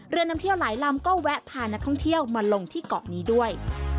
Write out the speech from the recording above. นำเที่ยวหลายลำก็แวะพานักท่องเที่ยวมาลงที่เกาะนี้ด้วย